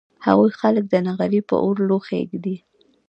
هغوی خلک د نغري په اور لوښي اېږدي